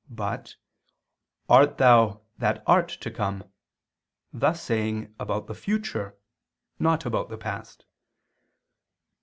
but "Art Thou He that art to come?" thus saying about the future, not about the past.